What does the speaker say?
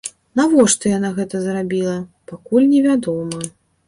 Навошта яна гэта зрабіла, пакуль не вядома.